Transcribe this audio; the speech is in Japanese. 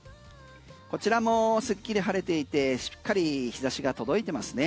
こちらもすっきり晴れていてしっかり日差しが届いてますね。